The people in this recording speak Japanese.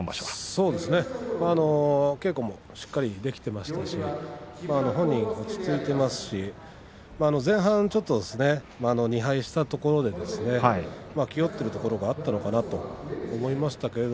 稽古もよくできていましたし本人は落ち着いていますし前半ちょっとですね２敗したところで気負っているところがあったのかなと思いましたけれど